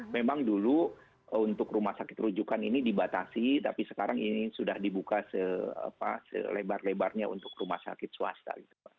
memang dulu untuk rumah sakit rujukan ini dibatasi tapi sekarang ini sudah dibuka selebar lebarnya untuk rumah sakit swasta